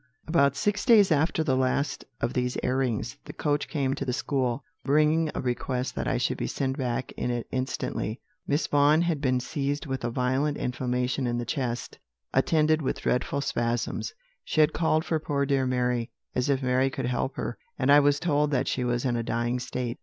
"About six days after the last of these airings, the coach came to the school, bringing a request that I should be sent back in it instantly. "Miss Vaughan had been seized with a violent inflammation in the chest, attended with dreadful spasms. She had called for poor dear Mary, as if Mary could help her; and I was told that she was in a dying state.